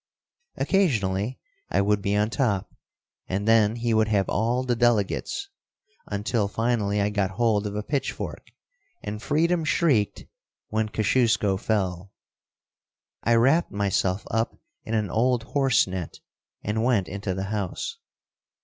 Occasionally I would be on top, and then he would have all the delegates, until finally I got hold of a pitchfork, and freedom shrieked when Kosciusko fell. I wrapped myself up in an old horse net and went into the house.